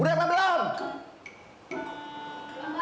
udah apa belum